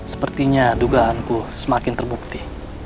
sepertinya dugaanku semakin terbukti